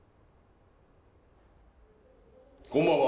こんばんは。